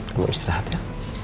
kamu istirahat ya